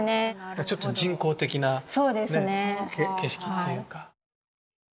ちょっと人工的な景色というか。